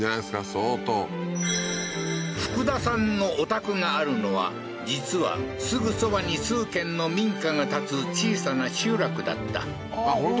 相当福田さんのお宅があるのは実はすぐそばに数軒の民家が建つ小さな集落だったあっ